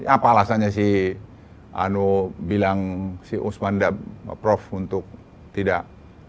apa alasannya si anu bilang si usman dan prof untuk tidak